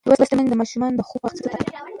لوستې میندې د ماشومانو د خوب پر وخت سکون ساتي.